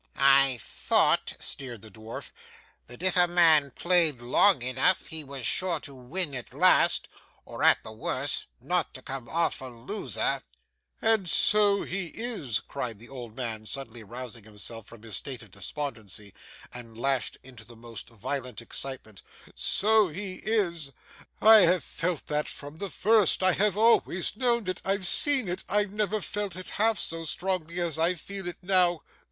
'I thought,' sneered the dwarf, 'that if a man played long enough he was sure to win at last, or, at the worst, not to come off a loser.' 'And so he is,' cried the old man, suddenly rousing himself from his state of despondency, and lashed into the most violent excitement, 'so he is; I have felt that from the first, I have always known it, I've seen it, I never felt it half so strongly as I feel it now.